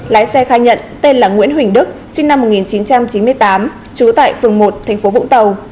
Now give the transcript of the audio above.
lái xe khai nhận tên là nguyễn huỳnh đức sinh năm một nghìn chín trăm chín mươi tám trú tại phường một thành phố vũng tàu